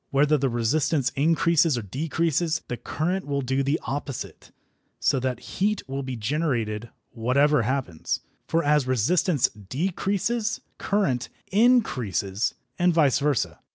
Whether the resistance increase or decrease, the current will do the opposite, so that heat will be generated whatever happens. For as resistance decreases current increases, and vice versa.